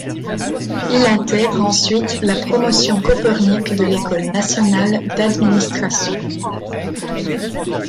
Il intègre ensuite la promotion Copernic de l’École nationale d'administration.